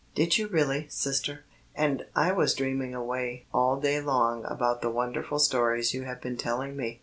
"Did you really, sister? And I was dreaming away all day long about the wonderful stories you have been telling me.